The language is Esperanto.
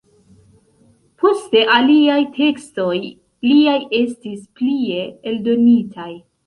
Poste aliaj tekstoj liaj estis plie eldonitaj.